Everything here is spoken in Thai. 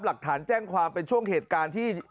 หลักฐานแจ้งความเป็นช่วงเหตุการณ์ที่